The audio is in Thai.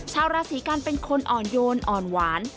ชาวราศีกันเป็นคนอ่อนโยนอ่อนหวาน